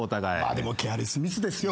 でもケアレスミスですよ